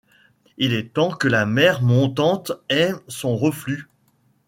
Il est temps que la. mer montante ait son reflux